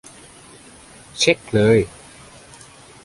เช็กเลย